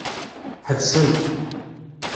Ḥebsen-t.